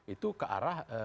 itu ke arah